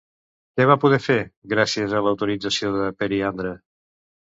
Què va poder fer, gràcies a l'autorització de Periandre?